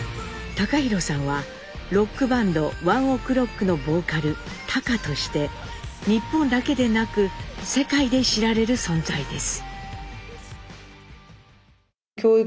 貴寛さんはロックバンドＯＮＥＯＫＲＯＣＫのボーカルＴａｋａとして日本だけでなく世界で知られる存在です。